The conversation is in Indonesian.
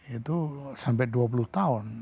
itu sampai dua puluh tahun